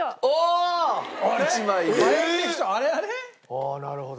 ああなるほど。